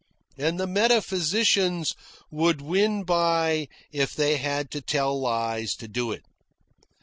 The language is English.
And the metaphysicians would win by if they had to tell lies to do it.